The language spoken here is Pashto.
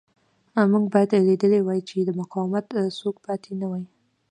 موږ باید لیدلی وای چې د مقاومت څوک پاتې نه وي